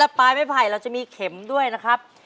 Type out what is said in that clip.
ปลายไม้ไผ่เราจะมีเข็มด้วยนะครับ